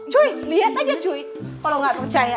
cuy lihat aja cuy kalau gak percaya